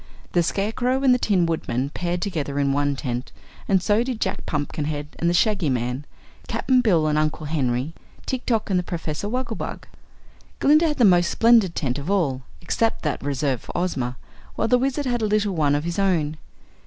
The Scarecrow and the Tin Woodman paired together in one tent and so did Jack Pumpkinhead and the Shaggy Man, Cap'n Bill and Uncle Henry, Tik Tok and Professor Wogglebug. Glinda had the most splendid tent of all, except that reserved for Ozma, while the Wizard had a little one of his own.